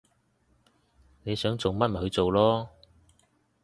你想做乜咪去做囉